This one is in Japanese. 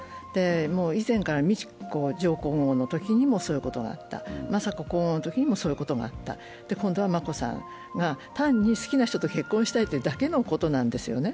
以前から美智子上皇后のときにもそういうことがあった、雅子皇后のときにもそういうことがあった、で今度は眞子さま単に好きな人と結婚したいというだけのことなんですよね。